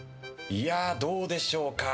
どうでしょうか。